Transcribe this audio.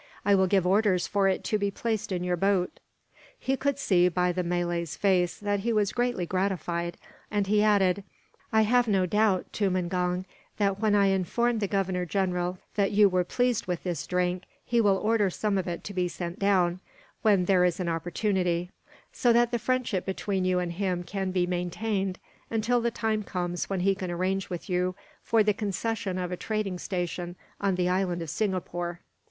I will give orders for it to be placed in your boat." He could see, by the Malay's face, that he was greatly gratified, and he added: "I have no doubt, Tumangong, that when I inform the Governor General that you were pleased with this drink, he will order some of it to be sent down, when there is an opportunity; so that the friendship between you and him can be maintained, until the time comes when he can arrange with you for the concession of a trading station on the island of Singapore."